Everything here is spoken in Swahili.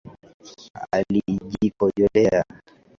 Alijikojolea